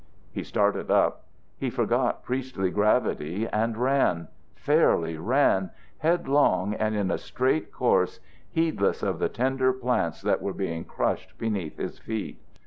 He started up. He forgot priestly gravity and ran fairly ran, headlong and in a straight course, heedless of the tender plants that were being crushed beneath his feet.